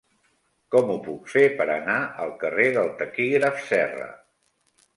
Com ho puc fer per anar al carrer del Taquígraf Serra?